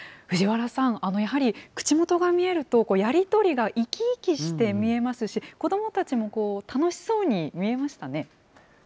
藤原さん、やはり、口元が見えるとやり取りが生き生きして見えますし、子どもたちも楽しそうに見えましたね。